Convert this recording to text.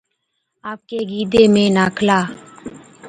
آپڪي گِيدي ۾ ناکلا،